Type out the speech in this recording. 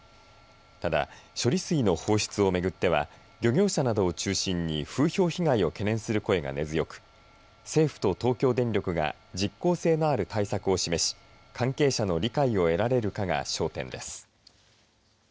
ただ、処理水の放出を巡っては漁業者などを中心に不評被害を懸念する声が根強く政府と東京電力が実効性のある対策を示し関係者の理解を得られるかが焦点です。